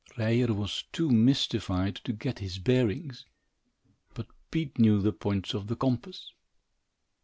Ryer was too mystified to get his bearings, but Pete knew the points of the compass.